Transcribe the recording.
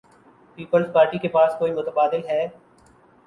Peoples Party کے پاس کو ئی متبادل ہے؟